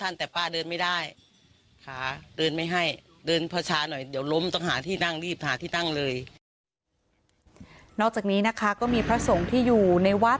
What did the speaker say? นอกจากนี้นะคะก็มีพระสงฆ์ที่อยู่ในวัด